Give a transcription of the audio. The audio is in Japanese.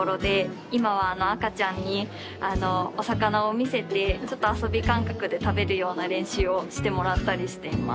今は赤ちゃんにお魚を見せてちょっと遊び感覚で食べるような練習をしてもらったりしています。